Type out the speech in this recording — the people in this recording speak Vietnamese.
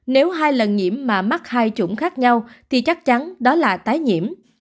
nếu hai lần nhiễm mà mắc hai chủng khác nhau thì chắc chắn đó là tái nhiễm